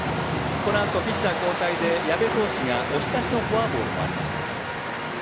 このあとピッチャー交代で矢部投手の押し出しのフォアボールがありました。